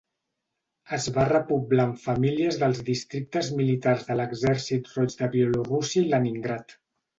Es va repoblar amb famílies dels districtes militars de l'Exèrcit Roig de Bielorússia i Leningrad.